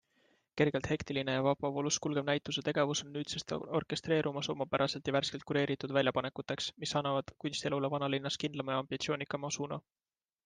Kergelt hektiline ja vabavoolus kulgev näituse tegevus on nüüdsest orkestreerumas omapäraselt ja värskelt kureeritud väljapanekuteks, mis annavad kunstielule vanalinnas kindlama ja ambitsioonikama suuna.